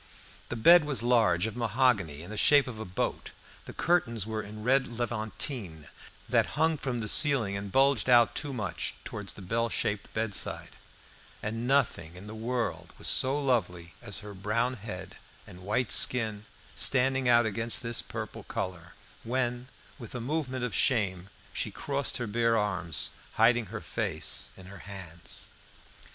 The bed was large, of mahogany, in the shape of a boat. The curtains were in red levantine, that hung from the ceiling and bulged out too much towards the bell shaped bedside; and nothing in the world was so lovely as her brown head and white skin standing out against this purple colour, when, with a movement of shame, she crossed her bare arms, hiding her face in her hands.